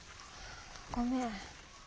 ごめん。